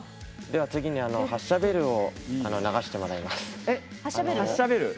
では、次に発車ベルを流してもらいます。